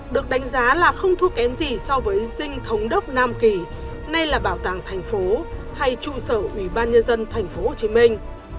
được đánh giá là không thua kém gì so với dinh thống đốc nam kỳ nay là bảo tàng thành phố hay trụ sở ủy ban nhân dân thành phố hồ chí minh